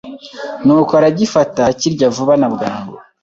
Ni uko aragifata arakirya vuba nabwangu